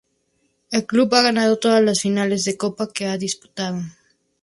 El club ha ganado todas las finales de Copa que ha disputado.